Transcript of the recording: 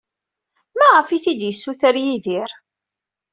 Maɣef ay t-id-yessuter Yidir?